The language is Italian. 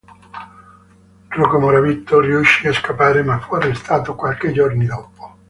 Rocco Morabito riuscì a scappare ma fu arrestato qualche giorno dopo.